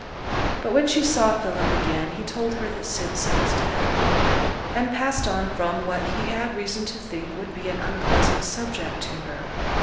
But when she saw Philip again he told her that Simpson was dead; and passed on from what he had reason to think would be an unpleasant subject to her.